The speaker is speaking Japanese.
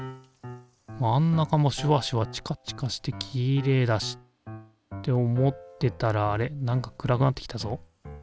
真ん中もシュワシュワチカチカしてきれいだし。って思ってたらあれなんか暗くなってきたぞ？